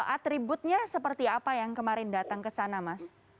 atributnya seperti apa yang kemarin datang ke sana mas